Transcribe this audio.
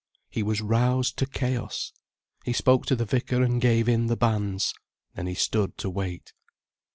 He was roused to chaos. He spoke to the vicar and gave in the banns. Then he stood to wait.